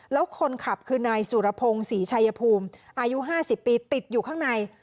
แล้วคนขับคือนายสุรพงศ์ศรีชายภูมิอายุ๕๐ปีติดอยู่ข้างใน